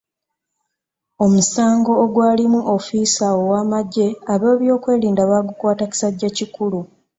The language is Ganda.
Omusango ogwalimu ofiisa ow'amagye ab'ebyokwerinda baagukwata kisajja kikulu.